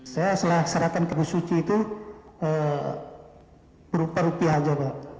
saya serahkan ke bu suci itu berupa rupiah aja pak